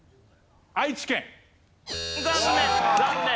残念残念！